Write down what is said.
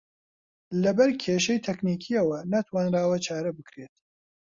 لەبەر کێشەی تەکنیکییەوە نەتوانراوە چارە بکرێت